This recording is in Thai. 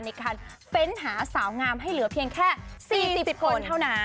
ในการเฟ้นหาสาวงามให้เหลือเพียงแค่๔๐คนเท่านั้น